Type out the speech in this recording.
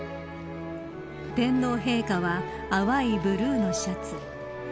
天皇陛下は淡いブルーのシャツ。